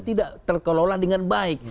tidak terkelola dengan baik